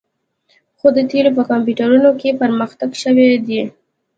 خو د تیلو په کمپیوټرونو کې پرمختګ شوی دی